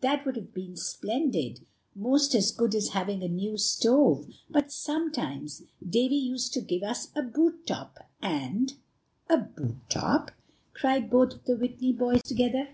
That would have been splendid most as good as having a new stove. But sometimes Davie used to give us a boot top, and" "A boot top!" cried both of the Whitney boys together.